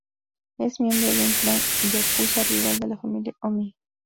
Es un miembro de un clan yakuza rival de la familia Ōmi.